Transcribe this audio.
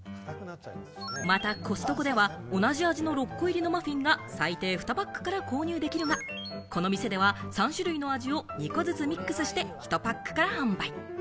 またコストコでは同じ味の６個入りのマフィンが最低２パックから購入できるが、この店では３種類の味を２個ずつミックスして、１パックから販売。